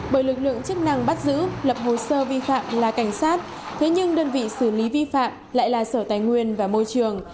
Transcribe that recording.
bởi lực lượng chức năng bắt giữ lập hồ sơ vi phạm là cảnh sát thế nhưng đơn vị xử lý vi phạm lại là sở tài nguyên và môi trường